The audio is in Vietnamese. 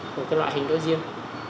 của cái loại hình đó riêng